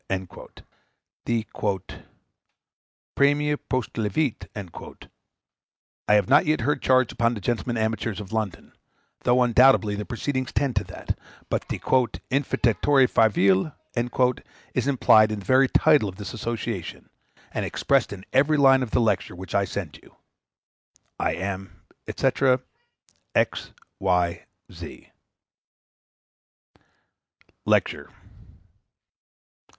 The "præmia postulavit" I have not yet heard charged upon the Gentlemen Amateurs of London, though undoubtedly their proceedings tend to that; but the "interfectori favil" is implied in the very title of this association, and expressed in every line of the lecture which I send you. I am, &c. X. Y. Z. LECTURE.